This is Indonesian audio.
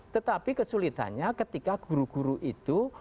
tetapi kesulitannya ketika guru guru itu